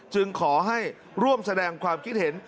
จึงขอให้ร่วมแสดงความคิดเห็น